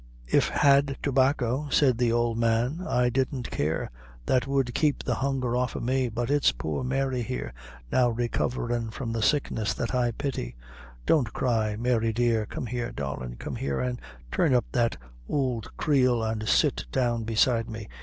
"If had tobacco," said the old man, "I didn't care that would keep the hunger off o' me; but it's poor Mary, here, now recoverin' from the sickness, that I pity; don't cry, Mary, dear; come here, darlin', come here, and turn up that ould creel, and sit down beside me.